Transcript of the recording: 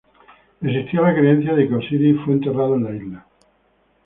Existía la creencia de que Osiris fue enterrado en la isla.